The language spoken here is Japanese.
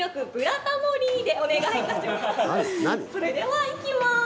それではいきます。